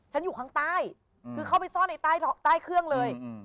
อยู่ข้างใต้คือเข้าไปซ่อนในใต้เครื่องเลย